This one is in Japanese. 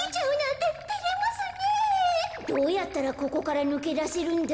どうやったらここからぬけだせるんだ？